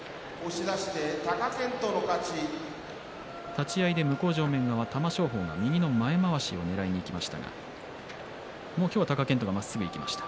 立ち合いで向正面側、玉正鳳が右の前まわしをねらいにいきましたがもう今日は貴健斗がまっすぐいきました。